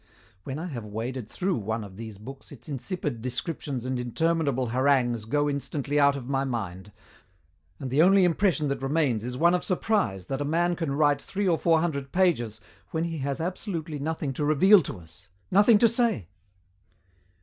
When I have waded through one of these books its insipid descriptions and interminable harangues go instantly out of my mind, and the only impression that remains is one of surprise that a man can write three or four hundred pages when he has absolutely nothing to reveal to us nothing to say!"